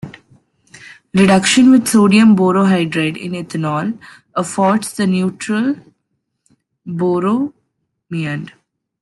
Reduction with sodium borohydride in ethanol affords the neutral Borromeand.